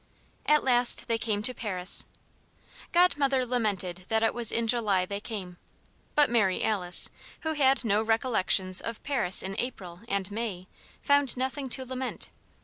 At last they came to Paris. Godmother lamented that it was in July they came; but Mary Alice, who had no recollections of Paris in April and May, found nothing to lament.